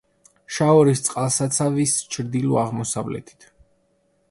შაორის წყალსაცავის ჩრდილო-აღმოსავლეთით.